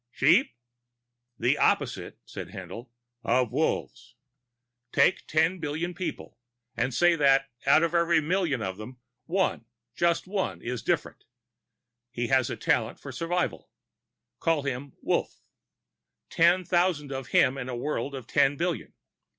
"Sheep?" "The opposite," said Haendl, "of Wolves." Take ten billion people and say that, out of every million of them, one just one is different. He has a talent for survival; call him Wolf. Ten thousand of him in a world of ten billion.